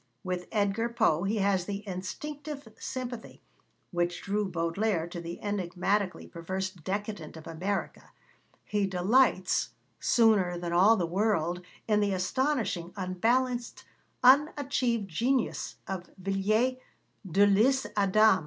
With Edgar Poe he has the instinctive sympathy which drew Baudelaire to the enigmatically perverse Decadent of America; he delights, sooner than all the world, in the astonishing, unbalanced, unachieved genius of Villiers de l'Isle Adam.